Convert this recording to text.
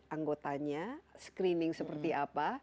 anggotanya screening seperti apa